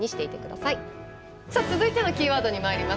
さあ続いてのキーワードにまいります。